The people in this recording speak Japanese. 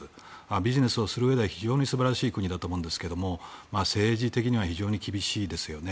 ビジネスをするうえでは非常に素晴らしい国だと思いますが政治的には非常に厳しいですよね。